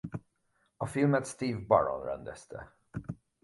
A filmet Steve Barron rendezte.